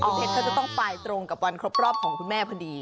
เพชรเขาจะต้องไปตรงกับวันครบรอบของคุณแม่พอดี